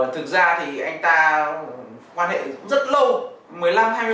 thực ra thì anh ta quan hệ rất lâu